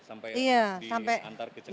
sampai antar ke cengkareng